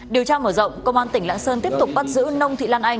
điều tra mở rộng công an tỉnh lạng sơn tiếp tục bắt giữ nông nghiệp